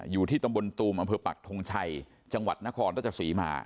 อยู่ที่ตำบลตูมอำเภอปักทงชัยจังหวัดนครราชศรีมา